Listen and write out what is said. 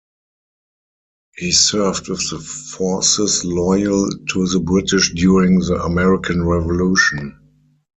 He served with the forces loyal to the British during the American Revolution.